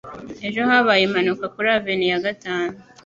Ejo habaye impanuka kuri Avenue ya gatanu.